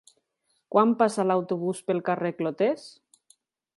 Quan passa l'autobús pel carrer Clotés?